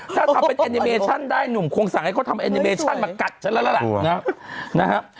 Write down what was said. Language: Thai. ถ้าทำเป็นเอนิเมชั่นได้หนุ่มคงสั่งให้เขาทำเอนิเมชั่นมากัดฉันแล้วแล้วล่ะนะฮะ